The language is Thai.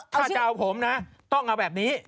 ถ้าจะเอาผมนะต้องเอาแบบนี้